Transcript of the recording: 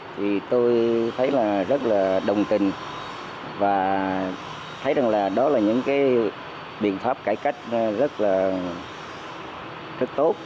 thì tôi thấy là rất là đồng tình và thấy rằng là đó là những cái biện pháp cải cách rất là tốt